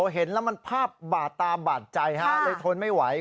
เห็นแล้วมันภาพบาดตาบาดใจเลยทนไม่ไหว